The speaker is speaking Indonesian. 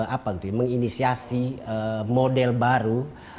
apa tuh ya menginisiasi model baru